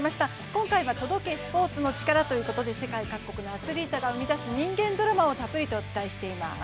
今回は「届け、スポーツのチカラ」ということで世界各国のアスリートが生み出す人間ドラマをたっぷりとお伝えしています。